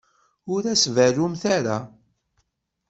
Ur as-berrumt ara.